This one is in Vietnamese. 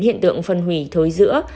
hiện tượng phân hủy thối dữa